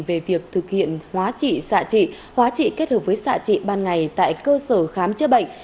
về việc thực hiện hóa trị xạ trị hóa trị kết hợp với xạ trị ban ngày tại cơ sở khám chữa bệnh